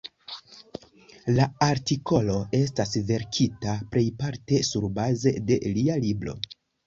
La artikolo estas verkita plejparte surbaze de lia libro.